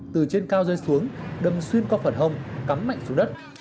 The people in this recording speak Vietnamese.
từ trên cao rơi xuống đâm xuyên qua phần hông cắm mạnh xuống đất